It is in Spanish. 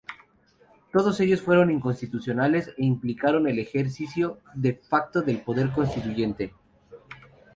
Todos ellos fueron inconstitucionales e implicaron el ejercicio de facto del Poder Constituyente.